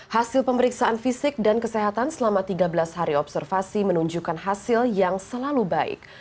hasil pemeriksaan fisik dan kesehatan selama tiga belas hari observasi menunjukkan hasil yang selalu baik